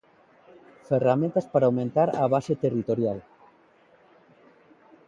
Ferramentas para aumentar a base territorial.